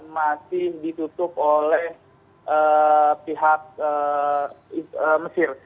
masih ditutup oleh pihak mesir